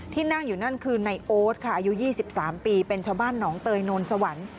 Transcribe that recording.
นั่งอยู่นั่นคือในโอ๊ตค่ะอายุ๒๓ปีเป็นชาวบ้านหนองเตยโนนสวรรค์